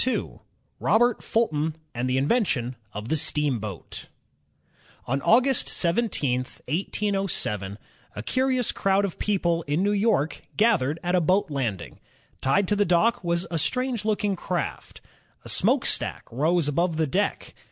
n ROBERT FULTON AND THE INVENTION OF THE STEAMBOAT On August 17, 1807, a curious crowd of people in New York gathered at a boat landing. Tied to the dock was a strange looking craft. A smokestack rose above the deck.